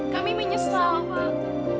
kami menyesal pak